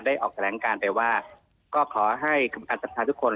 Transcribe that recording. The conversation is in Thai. ได้ออกแสดงการไปว่าก็ขอให้กรรมการสภาทุกคน